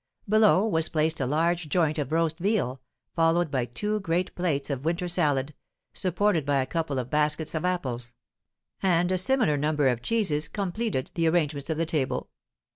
Below was placed a large joint of roast veal, followed by two great plates of winter salad, supported by a couple of baskets of apples; and a similar number of cheeses completed the arrangements of the table.